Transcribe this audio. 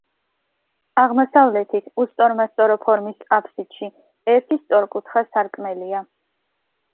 აღმოსავლეთით უსწორმასწორო ფორმის აბსიდში ერთი სწორკუთხა სარკმელია.